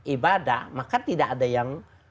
ibadah maka tidak ada yang